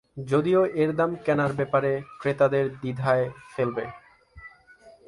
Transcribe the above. যদিও এর দাম কেনার ব্যাপারে ক্রেতাদের দ্বিধায় ফেলবে।